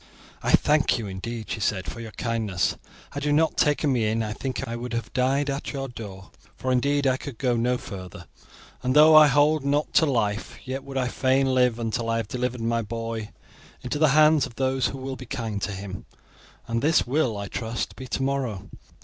"I thank you, indeed," she said, "for your kindness. Had you not taken me in I think I would have died at your door, for indeed I could go no further; and though I hold not to life, yet would I fain live until I have delivered my boy into the hands of those who will be kind to him, and this will, I trust, be tomorrow."